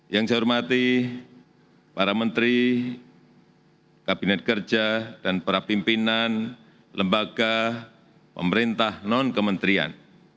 yang saya hormati para menteri kabinet kerja dan para pimpinan lembaga pemerintah non kementerian